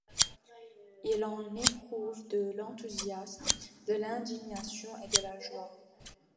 Il en éprouve de l’enthousiasme, de l’indignation et de la joie.